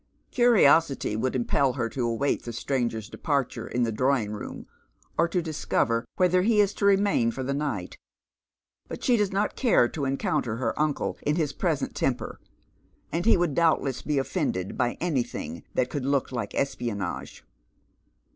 Curiosity would impel her to await the stranger's departure in the drawing room, or to discover whether he is to remain for the night ; but she does not care to encounter her uncle in his present temper, and he would doubtless be offended by anything that «ould look like espionage.